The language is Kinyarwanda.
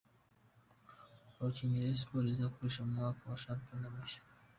Abakinnyi Rayon Sports izakoresha mu mwaka wa shampiyona mushya:.